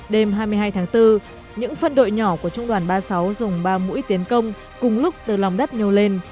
đêm hai mươi hai tháng bốn những phân đội nhỏ của trung đoàn ba mươi sáu dùng ba mũi tiến công cùng lúc từ lòng đất nhô lên